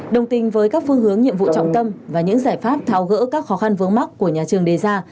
đồng tình với các phương hướng nhiệm vụ trọng tâm và những giải pháp tháo gỡ các khó khăn vướng mắt của nhà trường đề ra